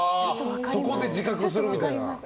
そこで自覚するみたいな。